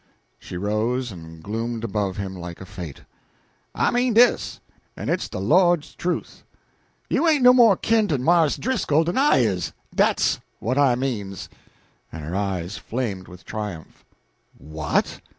She rose, and gloomed above him like a Fate. "I means dis en it's de Lord's truth. You ain't no more kin to ole Marse Driscoll den I is! dat's what I means!" and her eyes flamed with triumph. "What!"